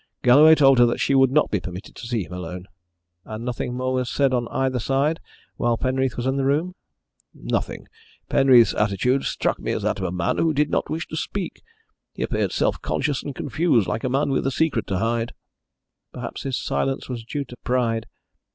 Galloway told her that she would not be permitted to see him alone." "And nothing more was said on either side while Penreath was in the room?" "Nothing. Penreath's attitude struck me as that of a man who did not wish to speak. He appeared self conscious and confused, like a man with a secret to hide." "Perhaps his silence was due to pride.